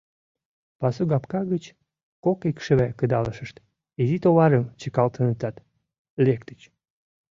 Пасугапка гыч кок икшыве кыдалешышт изи товарым чыкалтенытат, лектыч.